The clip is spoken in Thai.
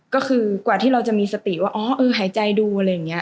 ก็คือกว่าที่เราจะมีสติว่าอ๋อเออหายใจดูอะไรอย่างนี้